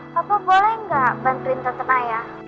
papa boleh gak bantuin tante naya